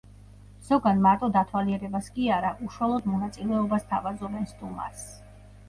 ზოგან მარტო დათვალიერებას კი არა, უშუალოდ მონაწილეობას სთავაზობენ სტუმარს.